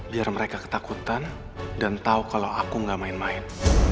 biar mereka ketakutan dan tahu kalau aku nggak main main